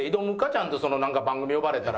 ちゃんと番組呼ばれたら。